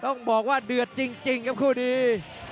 แต่ว่าเดือดจริงครับคู่นี้